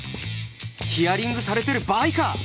ヒアリングされてる場合か！